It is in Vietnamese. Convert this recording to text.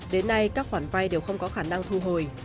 đến nay các khoản vay đều không có khả năng thu hồi